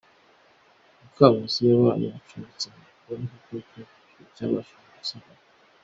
Mukankusi yabaye acumbitse mu gikoni kuko cyo cyabashije gusigara.